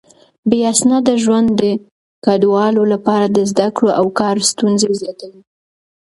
بې اسناده ژوند د کډوالو لپاره د زده کړو او کار ستونزې زياتوي.